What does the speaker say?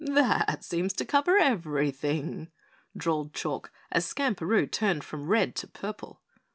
"That seems to cover everything," drawled Chalk, as Skamperoo turned from red to purple.